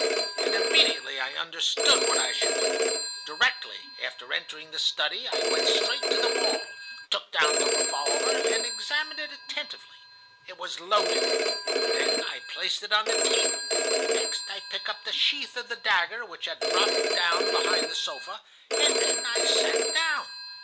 "And immediately I understood what I should do. Directly after entering the study, I went straight to the wall, took down the revolver, and examined it attentively. It was loaded. Then I placed it on the table. Next I picked up the sheath of the dagger, which had dropped down behind the sofa, and then I sat down.